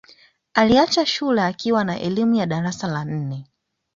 Aliacha shule akiwa na elimu ya darasa la nne